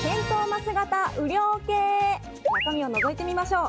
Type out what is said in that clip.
中身をのぞいてみましょう。